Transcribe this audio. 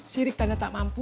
sirik tanda tak mampu